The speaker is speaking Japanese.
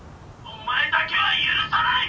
「お前だけは許さない！」。